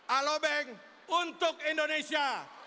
alobank untuk indonesia